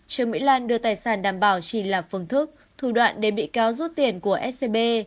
trương mỹ lan đưa tài sản đảm bảo chỉ là phương thức thủ đoạn để bị cáo rút tiền của scb